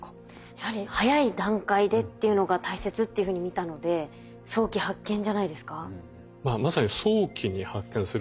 やはり早い段階でっていうのが大切っていうふうに見たのでまさに早期に発見すること。